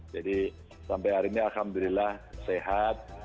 jadi sampai hari ini alhamdulillah sehat